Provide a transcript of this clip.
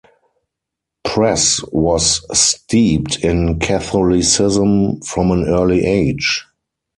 Press was steeped in Catholicism from an early age.